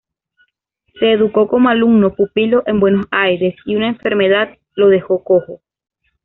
Se educó como alumno pupilo en Buenos Aires, y una enfermedad lo dejó cojo.